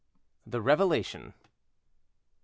THE REVELATION. M.